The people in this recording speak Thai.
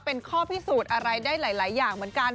เป็นข้อพิสูจน์อะไรได้หลายอย่างเหมือนกัน